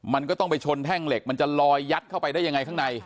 มันก็ต้องไปชนแท่งเหล็กมันจะลอยยัดเข้าไปได้ยังไงข้างใน